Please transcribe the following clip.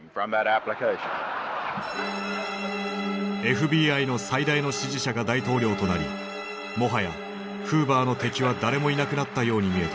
ＦＢＩの最大の支持者が大統領となりもはやフーバーの敵は誰もいなくなったように見えた。